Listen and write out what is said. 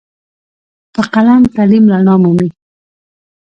په قلم تعلیم رڼا مومي.